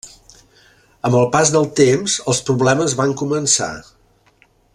Amb el pas del temps, els problemes van començar.